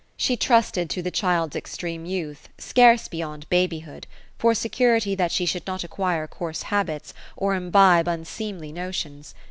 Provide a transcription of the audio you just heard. She trusted to the child*s extreme youth — scarce beyond babyhood — for security that she should not acquire coarse habits, or imbibe unseemly notions.